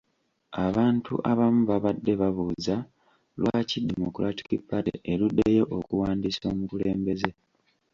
Abantu abamu babadde babuuza lwaki Democratic Party eruddeyo okuwandiisa omukulembeze.